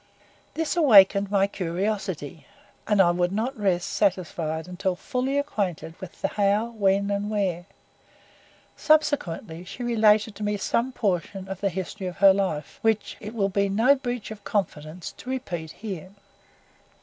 This awakened my curiosity, and I would not rest satisfied till fully acquainted with the how, when, and where. Subsequently she related to me some portion of the history of her life, which it will be no breach of confidence to repeat here.